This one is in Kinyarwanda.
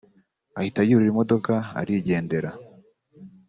ahita yurira imodoka arigendera